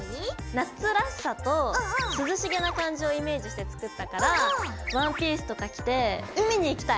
夏らしさと涼しげな感じをイメージして作ったからワンピースとか着て海に行きたい！